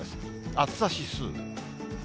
暑さ指数。